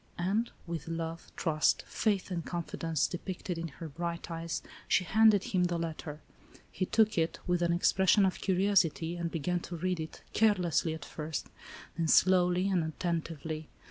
And, with love, trust, faith and confi dence depicted in her bright eyes, she handed him the letter. He took it, with an expression of curiosity, and began to read it, carelessly at first, then slowly and attentively.